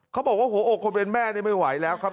เขาบอกว่าโอ้โหโครเบียร์แม่นี่ไม่ไหวแล้วครับ